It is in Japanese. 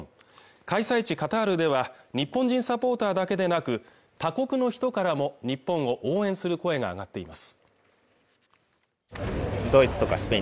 開催地カタールでは日本人サポーターだけでなく他国の人からも日本を応援する声が上がっています